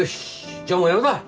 じゃあもうやめだ！